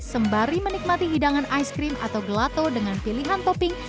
sembari menikmati hidangan ice cream atau gelato dengan pilihan topping